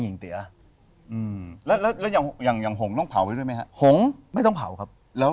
หงไม่ต้องเผาครับ